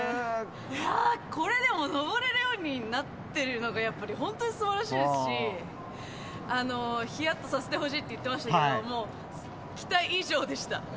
いやー、これでも登れるようになってるのがやっぱり、本当にすばらしいですし、ひやっとさせてほしいって言ってましたけれども、期待以上でした。